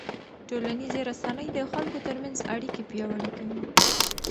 ټولنیزې رسنۍ د خلکو ترمنځ اړیکې پیاوړې کوي.